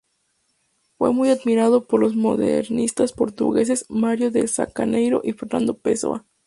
Fue muy admirado por los modernistas portugueses Mário de Sá-Carneiro y Fernando Pessoa.